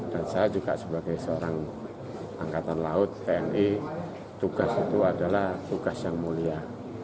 dan saya juga sebagai seorang angkatan laut tni tugas itu adalah tugas yang mulia